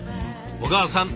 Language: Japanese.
小川さん